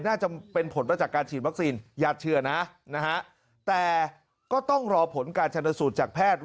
น่าจะเป็นผลมาจากการฉีดวัคซีนญาติเชื่อนะนะฮะแต่ก็ต้องรอผลการชนสูตรจากแพทย์